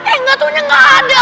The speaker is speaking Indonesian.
eh gatunya gak ada